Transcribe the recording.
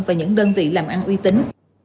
và những đơn vị làm ăn uy tín